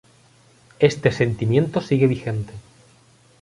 Este sentimiento sigue vigente.